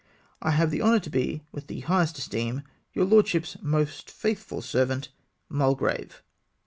" I have the honour to be, with the highest esteem, " Your lordship's most faithful servant, " Mulgrave.